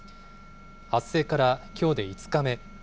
発生からきょうで５日目。